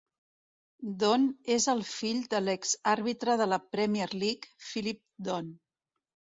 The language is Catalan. Don és el fill de l'exàrbitre de la Premier League, Philip Don.